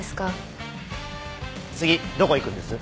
次どこ行くんです？